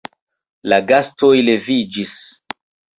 La gastoj leviĝis.